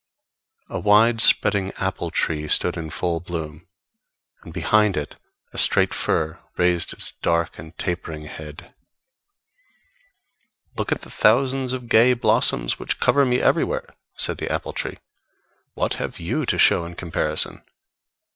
A wide spreading apple tree stood in full bloom, and behind it a straight fir raised its dark and tapering head. Look at the thousands of gay blossoms which cover me everywhere, said the apple tree; _what have you to show in comparison?